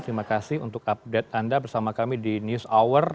terima kasih untuk update anda bersama kami di news hour